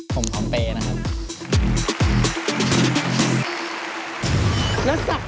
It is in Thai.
ผมพร้อมเปรย์นะครับ